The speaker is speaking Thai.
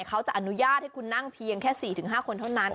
เขาจะอนุญาตให้คุณนั่งเพียงแค่๔๕คนเท่านั้น